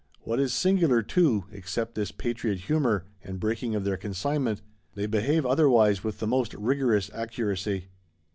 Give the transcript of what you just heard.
What is singular too, except this patriot humour, and breaking of their consignment, they behave otherwise with "the most rigorous accuracy."